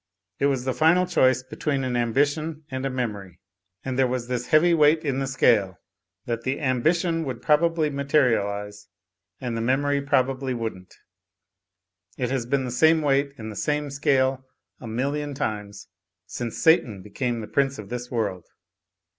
It was the final choice between an ambition and a memory. And there was this heavy weight in the scale: that the ambition would probably material ise, and the memory probably wouldn't. It has been the same weight in the same scale a million times, since Satan became the prince of this world.